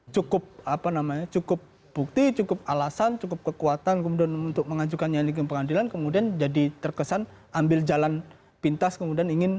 cukup apa namanya cukup bukti cukup alasan cukup kekuatan kemudian untuk mengajukannya ini ke pengadilan kemudian jadi terkesan ambil jalan pintas kemudian ingin